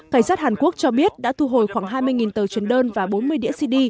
cảnh sát hàn quốc cho biết đã thu hồi khoảng hai mươi tờ truyền đơn và bốn mươi đĩa cd